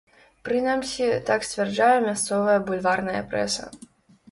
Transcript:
Прынамсі, так сцвярджае мясцовая бульварная прэса.